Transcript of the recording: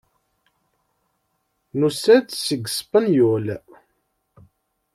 Nusa-d seg Spenyul.